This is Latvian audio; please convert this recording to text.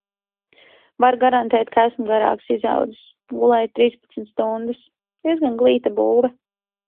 Varu garantēt, ka esmu garāks izaudzis. Gulēju trīspadsmit stundas. Diezgan glīta būve.